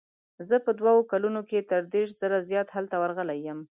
زه په دوو کلونو کې تر دېرش ځله زیات هلته ورغلی یم.